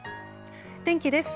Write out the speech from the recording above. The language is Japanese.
天気です。